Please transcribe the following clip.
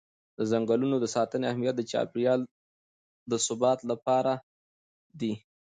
د ځنګلونو د ساتنې اهمیت د چاپېر یال د ثبات لپاره دی.